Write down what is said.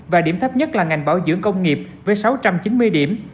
và điểm thấp nhất là ngành bảo dưỡng công nghiệp với sáu trăm chín mươi điểm